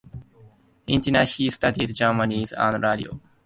Initially he studied journalism and radio.